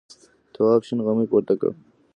تواب شین غمی پورته کړ.